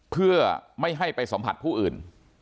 เพื่อไม่ให้ไปสัมผัสผู้อื่น